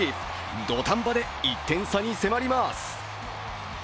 土壇場で１点差に迫ります。